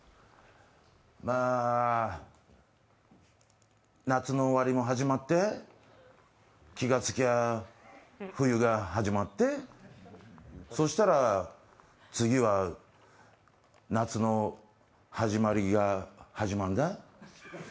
まあ、夏の終わりも始まって、気がつきゃ冬も始まって、そしたら次は夏の始まりが始まんだ。